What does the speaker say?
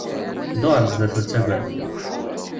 Ddu ɣer sdat ur ttaggad!